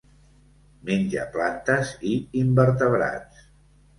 Menja plantes i invertebrats.